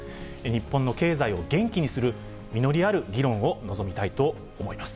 日本の経済を元気にする、実りある議論を望みたいと思います。